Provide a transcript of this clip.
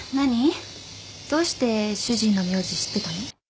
どうして主人の名字知ってたの？